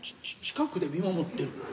ち「近くで見守ってる」？